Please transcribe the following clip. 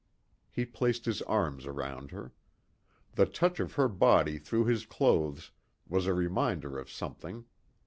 He placed his arms around her. The touch of her body through his clothes was a reminder of something.